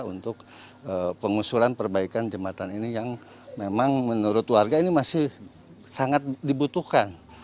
untuk pengusulan perbaikan jembatan ini yang memang menurut warga ini masih sangat dibutuhkan